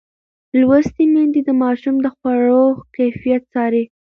لوستې میندې د ماشوم د خواړو کیفیت څاري.